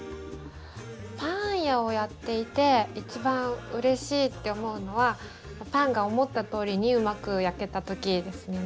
パン屋をやっていていちばんうれしいって思うのはパンが思ったとおりにうまく焼けた時ですよね。